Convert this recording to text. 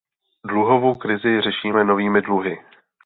Dluhovou krizi řešíme novými dluhy.